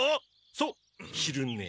そうひるね。